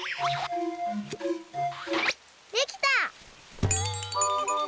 できた！